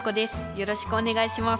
よろしくお願いします。